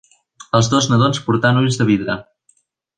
els dos nadons portant ulls de vidre